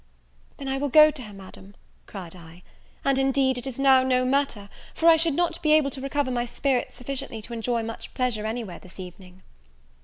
"Then I will go to her, Madam," cried I; "and, indeed, it is now no matter, for I should not be able to recover my spirits sufficiently to enjoy much pleasure any where this evening."